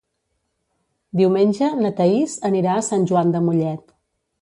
Diumenge na Thaís anirà a Sant Joan de Mollet.